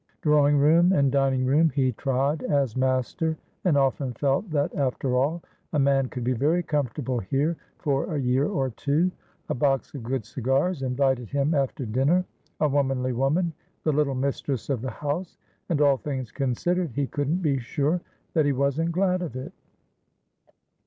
Drawing room and dining room he trod as master, and often felt that, after all, a man could be very comfortable here for a year or two. A box of good cigars invited him after dinner. A womanly woman, the little mistress of the house; and, all things considered, he couldn't be sure that he wasn't glad of it.